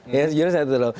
sejujurnya saya tidak tahu